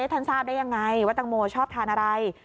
ทราบได้ยังไงว่าตังโมชอบทานอะไร